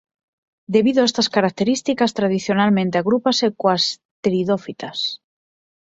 Debido a estas características tradicionalmente agrúpanse coas "pteridófitas".